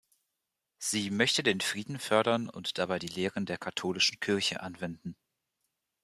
Sie möchte den Frieden fördern und dabei die Lehren der katholischen Kirche anwenden.